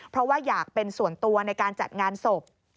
เพราะว่าอยากเป็นส่วนตัวในการจัดงานศพ